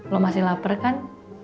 lu masih lapar kan